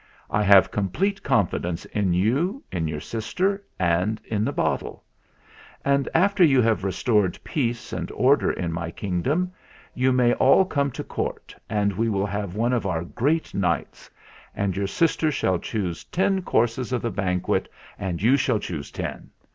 "I have complete confidence in you, in your sister, and in the bottle ; and after you have restored peace and order in my kingdom, you may all come to Court, and we will have one of our great nights; and your sister shall choose ten courses of the banquet and you shall choose ten.